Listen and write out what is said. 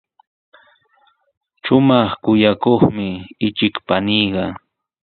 Shumaq kuyakuqmi ichik paniiqa.